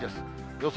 予想